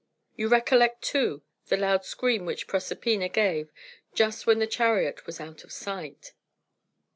You recollect, too, the loud scream which Proserpina gave, just when the chariot was out of sight.